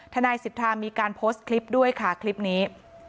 ทนายสิทธามีการโพสต์คลิปด้วยค่ะคลิปนี้